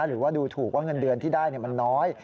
หรือว่าดูถูกว่าเงินเดือนที่ได้มันน้อย